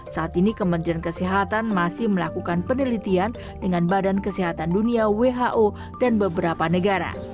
saat ini kementerian kesehatan masih melakukan penelitian dengan badan kesehatan dunia who dan beberapa negara